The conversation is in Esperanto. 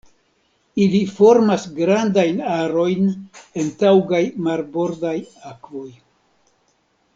Ili formas grandajn arojn en taŭgaj marbordaj akvoj.